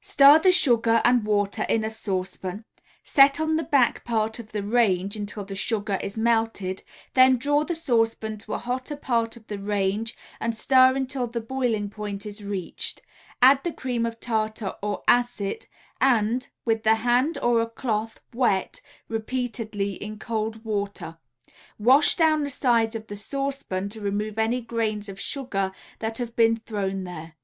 Stir the sugar and water in a saucepan, set on the back part of the range, until the sugar is melted, then draw the saucepan to a hotter part of the range, and stir until the boiling point is reached; add the cream of tartar or acid and, with the hand or a cloth wet repeatedly in cold water, wash down the sides of the saucepan, to remove any grains of sugar that have been thrown there.